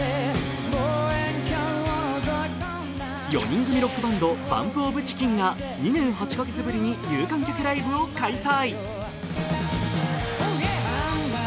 ４人組ロックバンド、ＢＵＭＰＯＦＣＨＩＣＫＥＮが２年８カ月ぶりに有観客ライブを開催。